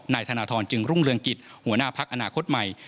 นายธนทรจึงรุ่งเรืองกิจหัวหน้าพักอนาคตใหม่